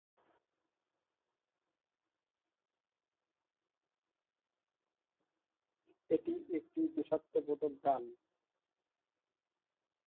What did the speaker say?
এটি একটি দেশাত্মবোধক গান।